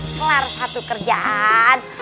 dah kelar satu kerjaan